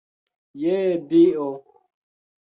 Je Dio!